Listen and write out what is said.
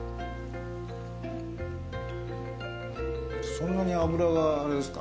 そんなに脂があれですか？